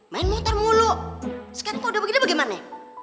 main motor mulu sekarang kau udah begini bagaimana